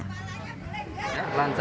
pertanyaan dari panitia